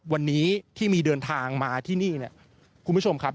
วันนี้ที่มีเดินทางมาที่นี่เนี่ยคุณผู้ชมครับ